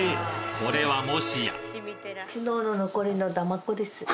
これはもしや？